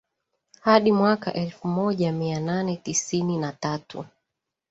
hadi mwaka elfu moja mia nane tisini na tatu